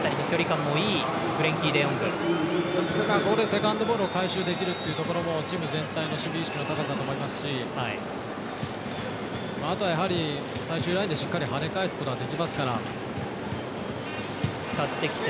セカンドボールを回収できるっていうのもチーム全体の守備位置の高さだと思いますしあとは、最終ラインでしっかりはね返すことはできますから。